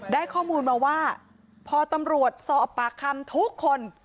ได้ข้อมูลมาว่าพอตำรวจสอบปากคำทุกคน